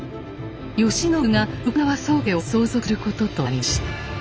慶喜が徳川宗家を相続することとなりました。